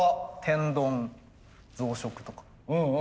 天丼増殖とか。